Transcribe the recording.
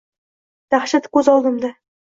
Dahshati ko’z oldimda